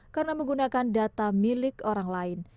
karena menggunakan data milik orang lain